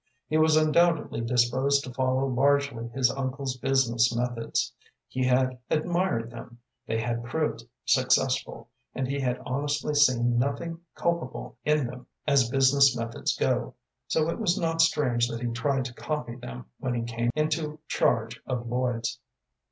He was undoubtedly disposed to follow largely his uncle's business methods. He had admired them, they had proved successful, and he had honestly seen nothing culpable in them as business methods go; so it was not strange that he tried to copy them when he came into charge of Lloyd's.